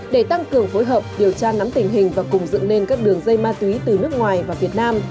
để tăng cường phối hợp điều tra nắm tình hình và cùng dựng lên các đường dây ma túy từ nước ngoài vào việt nam